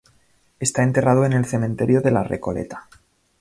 Está enterrado en el Cementerio de la Recoleta.